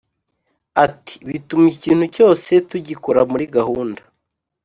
Ati “Bituma ikintu cyose tugikora muri gahunda